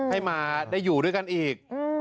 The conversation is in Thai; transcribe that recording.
ให้มาได้อยู่ด้วยกันอีก